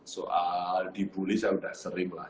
soal dibully saya sudah sering lah